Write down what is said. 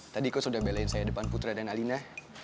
tadi kau sudah belain saya depan putra dan alina